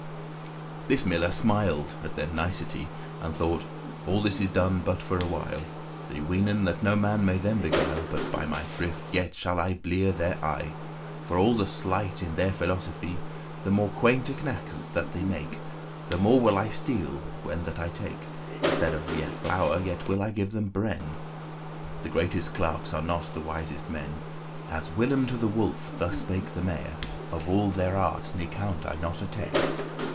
This miller smiled at their nicety*, *simplicity And thought, "All this is done but for a wile. They weenen* that no man may them beguile, *think But by my thrift yet shall I blear their eye,<9> For all the sleight in their philosophy. The more *quainte knackes* that they make, *odd little tricks* The more will I steal when that I take. Instead of flour yet will I give them bren*. *bran The greatest clerks are not the wisest men, As whilom to the wolf thus spake the mare: <10> Of all their art ne count I not a tare."